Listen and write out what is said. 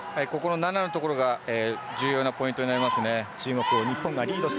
ここの菜那のところが重要なポイントになりますね。